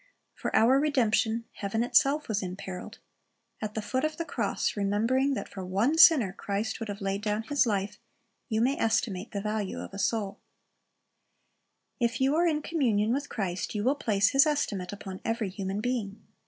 For our redemption, heaven itself was imperiled. At the foot of the cross, remembering that for one sinner Christ would have laid down His life, you may estimate the value of a soul. ilsa. 8:18 2 Mark 15:34 ^'This Mail Receiveth Sinners'' 19/ If you are in communion with Christ, you will place His estimate upon every human being.